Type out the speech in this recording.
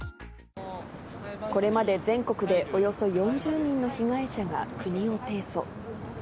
これまで全国でおよそ４０人の被害者が国を提訴。